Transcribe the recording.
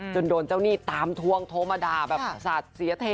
จนโดนเจ้านี่ตามทวงธมมตราแบบสาธิ์เสียเท